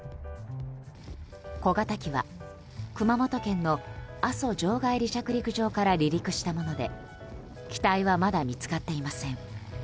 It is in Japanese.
小型機は、熊本県の阿蘇場外離着陸場から離陸したもので機体はまだ見つかっていません。